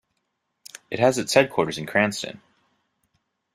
It has its headquarters in Cranston.